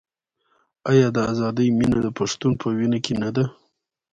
آیا د ازادۍ مینه د پښتون په وینه کې نه ده؟